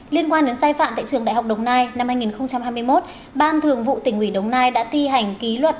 liên quan đến sai phạm tại trường đại học đồng nai năm hai nghìn hai mươi một ban thường vụ tỉnh ủy đồng nai đã thi hành ký luật